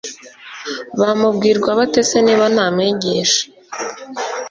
bamubwirwa bate se niba nta mwigisha